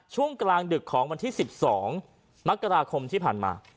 ช่วงกลางดึกของวันที่๑๒มกราคมที่ผ่านมา